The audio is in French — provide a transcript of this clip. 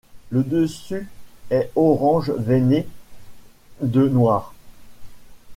Le dessus est orange veiné de noir.